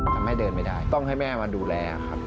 ทำให้เดินไม่ได้ต้องให้แม่มาดูแลครับ